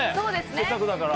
せっかくだから。